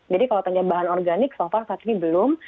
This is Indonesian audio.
jadi kalau tanya bahan organik so far saat ini belum